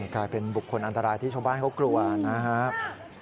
กลายเป็นบุคคลอันตรายที่ชาวบ้านเขากลัวนะครับ